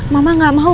mama gak mau